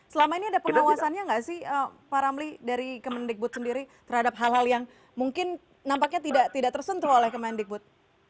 selama ini ada pengawasannya nggak sih pak ramli dari kemendikbud sendiri terhadap hal hal yang mungkin nampaknya tidak tersentuh oleh kemendikbud